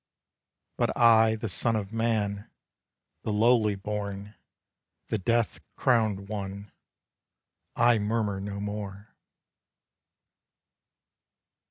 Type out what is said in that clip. But I, the son of man, The lowly born, the death crowned one, I murmur no more.